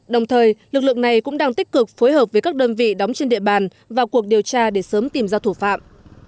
đồng thời lực lượng này cũng đang tích cực phối hợp với các đơn vị đóng trên địa bàn vào cuộc điều tra để sớm tìm ra thủ phạm